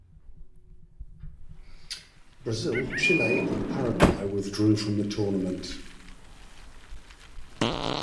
Brazil, Chile and Paraguay withdrew from the tournament.